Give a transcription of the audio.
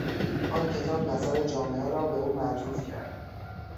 آن کتاب نظر جامعه را به او معطوف کرد.